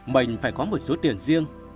mình phải có một số tiền riêng